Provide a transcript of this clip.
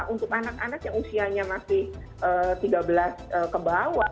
untuk anak anak yang usianya masih tiga belas ke bawah